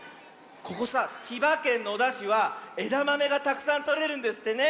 ここさ千葉県野田市はえだまめがたくさんとれるんですってね。